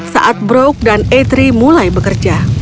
saat brok dan aethery mulai bekerja